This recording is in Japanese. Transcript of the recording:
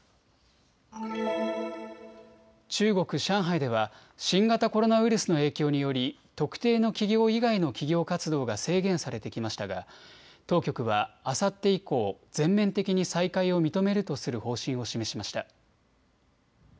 中国・上海では新型コロナウイルスの影響により特定の企業以外の企業活動が制限されてきましたが当局はあさって以降全面的に再開を認めるとする方針を示しました。